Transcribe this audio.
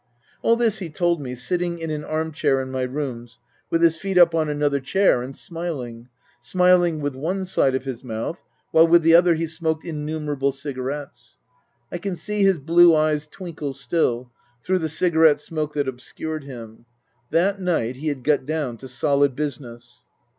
All this he told me, sitting in an arm chair in my rooms, with his feet up on another chair, and smiling, smiling with one side of his mouth while with the other he smoked innumerable cigarettes. I can see his blue eyes twinkle still, through the cigarette smoke that obscured him. That night he had got down to solid business.